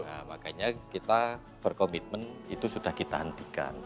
nah makanya kita berkomitmen itu sudah kita hentikan